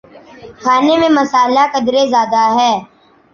کھانے میں مصالحہ قدرے زیادہ ہے